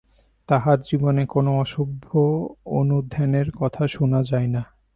তাঁহার জীবনে কোন অশুভ-অনুধ্যানের কথা শুনা যায় না।